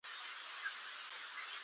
کږه خوله په سوک سمیږي